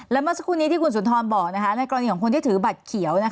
และเมื่อสักครู่นี้ที่คุณสุนทรบอกในกรณีของคนที่ถือบัตรเขียว